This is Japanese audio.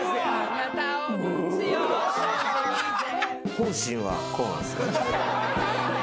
本心はこうなんです。